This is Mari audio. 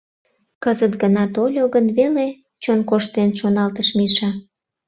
Кызыт гына тольо гын веле? — чон корштен шоналтыш Миша.